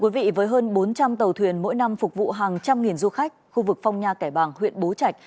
bến thuyền mỗi năm phục vụ hàng trăm nghìn du khách khu vực phong nha kẻ bàng huyện bố trạch